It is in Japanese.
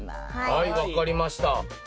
はい分かりました。